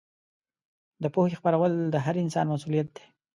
د پوهې خپرول د هر انسان مسوولیت دی.